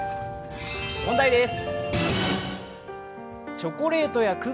問題です。